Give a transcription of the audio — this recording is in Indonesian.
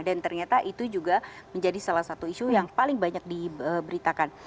dan ternyata itu juga menjadi salah satu isu yang paling banyak diberitakan